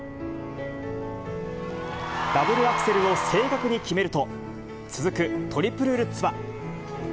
ダブルアクセルを正確に決めると、続くトリプルルッツは。